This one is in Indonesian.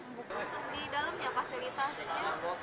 untuk di dalamnya fasilitas